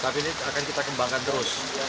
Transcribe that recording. tapi ini akan kita kembangkan terus